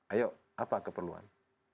ayo apa keperluan